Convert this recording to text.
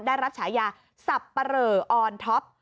ได้รับฉายาสับปะเหลออนท็อป